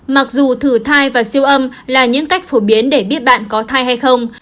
mặc dù thử thai và siêu âm là những cách phổ biến để biết bạn có thai hay không